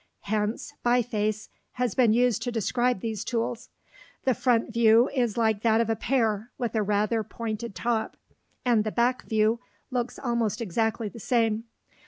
Hence "biface" has been used to describe these tools. The front view is like that of a pear with a rather pointed top, and the back view looks almost exactly the same.